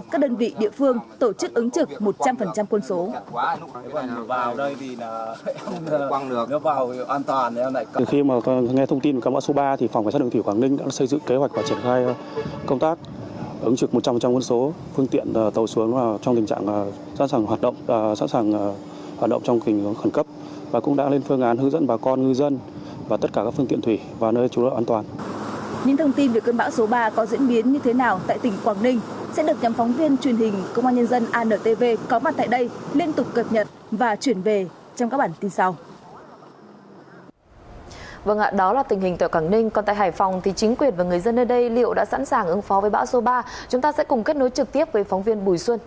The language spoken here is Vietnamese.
các lực lượng vũ trang trong đó lực lượng công an các đơn vị địa phương tổ chức ứng trực một trăm linh quân số